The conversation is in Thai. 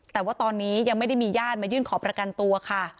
แต่ว่าตอนนี้ยังไม่ได้มีญาติมายื่นขอประกันตัวค่ะ